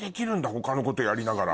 他のことやりながら。